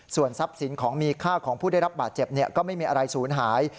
ส่วนทรัพย์สินของมีค่าของผู้ได้รับบาดเจ็บก็ไม่มีอะไรศูนย์หาย